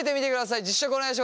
実食お願いします！